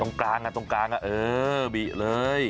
ตรงกลางอ่ะตรงกลางอ่ะเออบีออกเลย